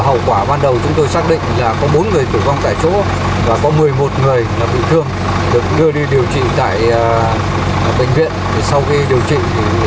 hậu quả làm năm người tử vong tại chỗ một người tử vong trên đường đi bệnh viện cấp cứu